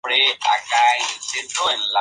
El editor es Lawrence M. Kelly.